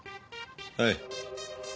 はい。